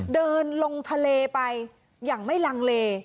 เดินลงทะเลไปอย่างไม่ลังเล